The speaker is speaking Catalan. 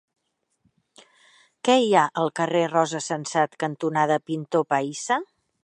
Què hi ha al carrer Rosa Sensat cantonada Pintor Pahissa?